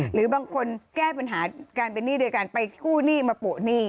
หรือบางคนแก้ปัญหาการเป็นหนี้โดยการไปกู้หนี้มาโปะหนี้